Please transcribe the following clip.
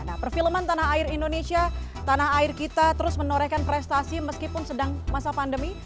nah perfilman tanah air indonesia tanah air kita terus menorehkan prestasi meskipun sedang masa pandemi